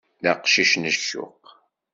D aqcic n ccuq.